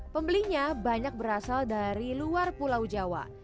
pembelinya banyak berasal dari luar pulau jawa